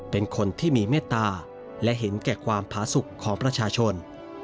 เป็นคนที่มีเมตตาและเห็นแก่ความผาสุขของประชาชน